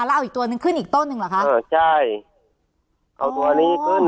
แล้วเอาอีกตัวนึงขึ้นอีกต้นหนึ่งเหรอคะเออใช่เอาตัวนี้ขึ้น